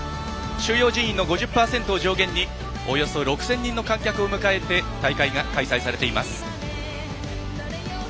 収容人員の５０％を上限におよそ６０００人の観客を迎えて大会が開催されています。